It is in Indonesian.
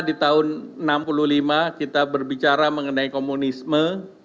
di tahun seribu sembilan ratus enam puluh lima kita berbicara mengenai komunisme